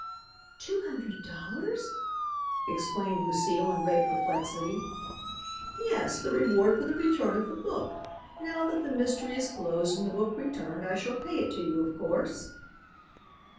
"Two hundred dollars!" exclaimed Lucile in great perplexity. "Yes, the reward for the return of the book. Now that the mystery is closed and the book returned, I shall pay it to you, of course."